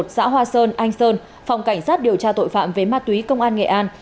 xã hoa sơn anh sơn phòng cảnh sát điều tra tội phạm về ma túy công an nghệ an